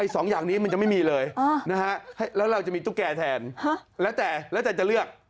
สองอย่างนี้มันจะไม่มีเลยแล้วเราจะมีตุ๊กแก่แทนแล้วแต่แล้วแต่จะเลือก